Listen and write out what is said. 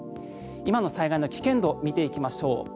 今の災害の危険度を見ていきましょう。